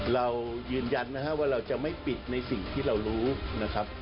เรายืนยันนะฮะว่าเราจะไม่ปิดในสิ่งที่เรารู้นะครับ